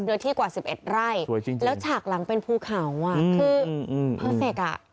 เนื้อที่กว่า๑๑ไร่สวยจริงแล้วฉากหลังเป็นภูเขาคือเพอร์เฟกอ่ะ